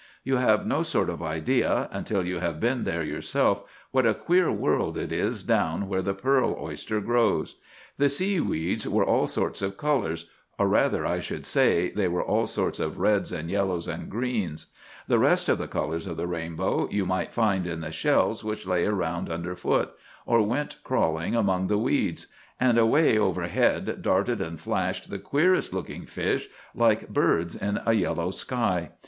You have no sort of idea, until you have been there yourself, what a queer world it is down where the pearl oyster grows. The seaweeds were all sorts of colors—or rather, I should say, they were all sorts of reds and yellows and greens. The rest of the colors of the rainbow you might find in the shells which lay around under foot, or went crawling among the weeds; and away overhead darted and flashed the queerest looking fish, like birds in a yellow sky.